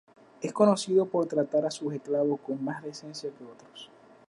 Es conocido por tratar a sus esclavos con más decencia que otros.